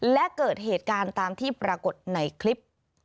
และเกิดเหตุการณ์ตามที่ปรากฏในคลิป